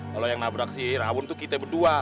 kalo yang nabrak si raun itu kita berdua